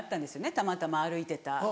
たまたま歩いてた。